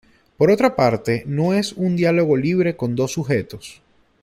Por otra parte no es un diálogo libre con dos sujetos.